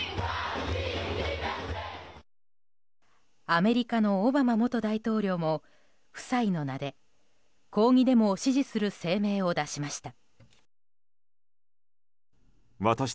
アメリカのオバマ元大統領も夫妻の名で抗議デモを支持する声明を出しました。